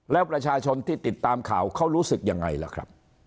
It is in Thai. แล้วประชาชนที่ติดตามข่าวเขารู้สึกยังไงล่ะครับ